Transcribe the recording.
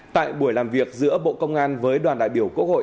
tại buổi làm việc giữa bộ công an với đoàn đại biểu quốc hội